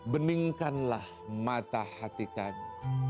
beningkanlah mata hati kami